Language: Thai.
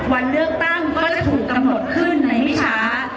วันเลือกตั้งก็จะถูกกำหนดขึ้นในไม่ช้า